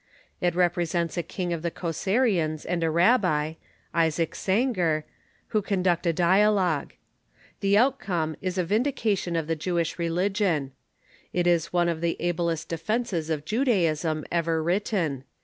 It represents a king of the Cosarjeans and a rabbi, Isaac Sangar, who conduct a dialogue. The out come is a vindication of the Jewish religion. Is is one of the ablest defences of Judaism ever written.